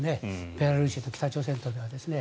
ベラルーシと北朝鮮とでは。